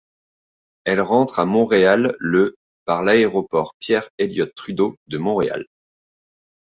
Elle rentre à Montréal le par l'Aéroport Pierre-Elliott-Trudeau de Montréal.